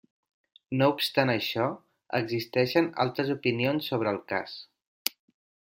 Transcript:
No obstant això, existeixen altres opinions sobre el cas.